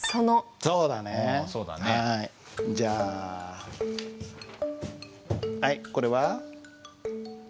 じゃあはいこれは？